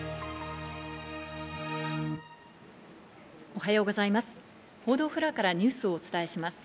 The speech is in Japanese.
おはようございます。